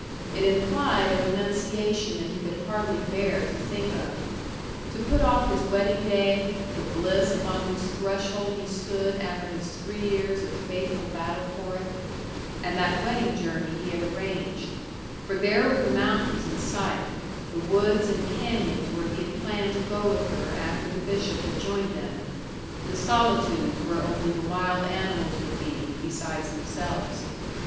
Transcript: It implied a renunciation that he could hardly bear to think of. To put off his wedding day, the bliss upon whose threshold he stood after his three years of faithful battle for it, and that wedding journey he had arranged: for there were the mountains in sight, the woods and canyons where he had planned to go with her after the bishop had joined them; the solitudes where only the wild animals would be, besides themselves.